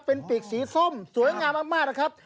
เป็นปีกสีส้มสวยงามมากนะครับ